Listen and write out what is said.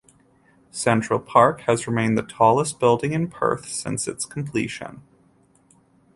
Central Park has remained the tallest building in Perth since its completion.